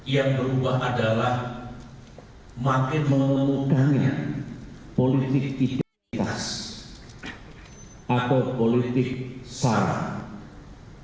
yang berubah adalah makin memudahnya politik identitas atau politik sara